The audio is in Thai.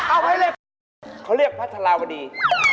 อ้าวไม่ให้เรียกเขาเรียกพระธราวดี